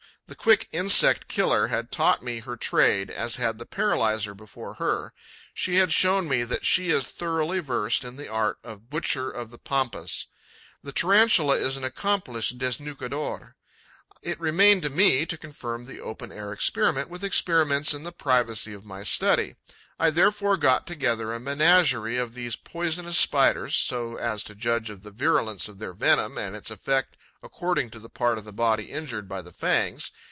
The quick insect killer had taught me her trade as had the paralyzer before her: she had shown me that she is thoroughly versed in the art of the butcher of the Pampas. The Tarantula is an accomplished desnucador. It remained to me to confirm the open air experiment with experiments in the privacy of my study. I therefore got together a menagerie of these poisonous Spiders, so as to judge of the virulence of their venom and its effect according to the part of the body injured by the fangs.